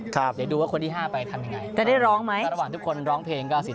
เดี๋ยวดูว่าคนที่๕ไปทำยังไง